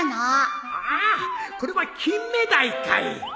ああこれはキンメダイかい。